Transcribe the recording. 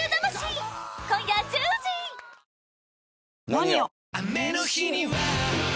「ＮＯＮＩＯ」！